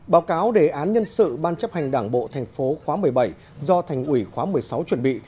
báo cáo đề án nhân sự ban chấp hành đảng bộ tp khóa một mươi bảy do thành ủy khóa một mươi sáu chuẩn bị